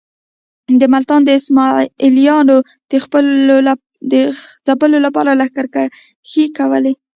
د ملتان د اسماعیلیانو د ځپلو لپاره لښکرکښۍ کولې.